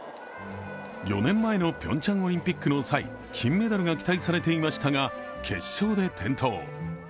４年前のピョンチャンオリンピックの際、金メダルが期待されていましたが決勝で転倒。